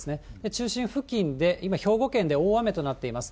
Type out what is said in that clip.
中心付近で今、兵庫県で大雨となっています。